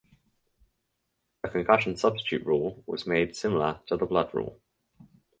The concussion substitute rule was made similar to the blood rule.